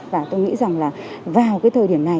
và tôi nghĩ rằng là vào cái thời điểm này